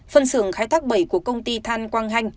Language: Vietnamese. phân xưởng khai thác bảy của công ty than quang hanh